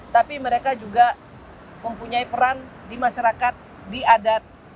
tapi mereka juga mempunyai peran di masyarakat di adat